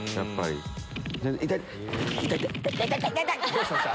どうしました？